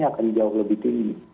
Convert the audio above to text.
akan jauh lebih tinggi